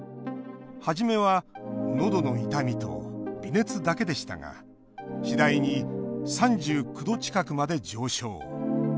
初めは、のどの痛みと微熱だけでしたが次第に３９度近くまで上昇。